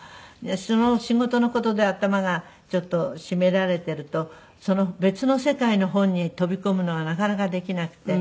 その仕事の事で頭がちょっと占められていると別の世界の本に飛び込むのがなかなかできなくて。